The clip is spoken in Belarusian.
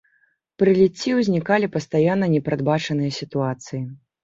Пры ліцці ўзнікалі пастаянна непрадбачаныя сітуацыі.